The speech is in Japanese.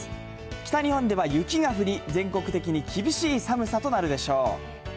北日本では雪が降り、全国的に厳しい寒さとなるでしょう。